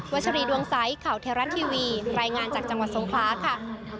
ชรีดวงใสข่าวเทราะทีวีรายงานจากจังหวัดทรงคลาค่ะ